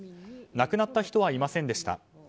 亡くなった人はいませんでした。